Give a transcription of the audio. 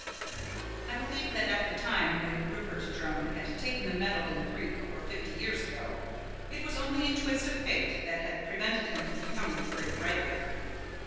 I believe that at the time when Rupert Drone had taken the medal in Greek over fifty years ago, it was only a twist of fate that had prevented him from becoming a great writer.